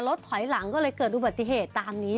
ถอยหลังก็เลยเกิดอุบัติเหตุตามนี้